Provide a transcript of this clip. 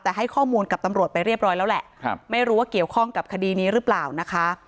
แต่ให้ข้อมูลกับตำรวจไปเรียบร้อยแล้วแหละไม่รู้ว่าเกี่ยวข้องกับคดีนี้หรือเปล่านะคะ